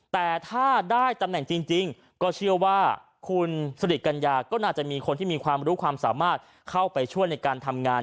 แต่ถ้าได้ตำแหน่งจริงก็เชื่อว่าคุณสิริกัญญาก็น่าจะมีคนที่มีความรู้ความสามารถเข้าไปช่วยในการทำงาน